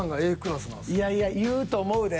いやいや言うと思うで。